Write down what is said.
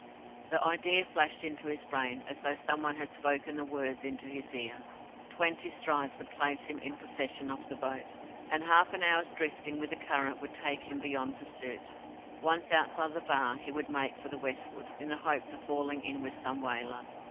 The idea flashed into his brain, as though someone had spoken the words into his ear. Twenty strides would place him in possession of the boat, and half an hour's drifting with the current would take him beyond pursuit. Once outside the Bar, he would make for the westward, in the hopes of falling in with some whaler.